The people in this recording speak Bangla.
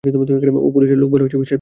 ও পুলিশের লোক বলেই বিশ্বাস করেছিলাম।